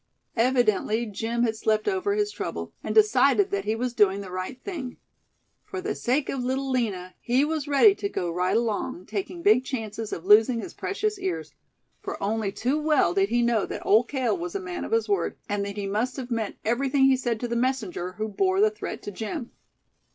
Evidently Jim had slept over his trouble, and decided that he was doing the right thing. For the sake of Little Lina he was ready to go right along, taking big chances of losing his precious ears; for only too well did he know that Old Cale was a man of his word; and that he must have meant everything he said to the messenger who bore the threat to Jim.